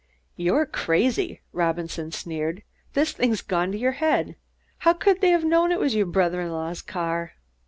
"You're crazy," Robinson sneered. "This thing's gone to your head. How could they have known it was your brother in law's car?"